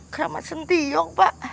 ke sentiong pak